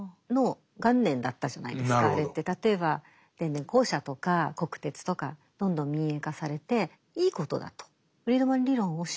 例えば電電公社とか国鉄とかどんどん民営化されていいことだとフリードマン理論を信じていた。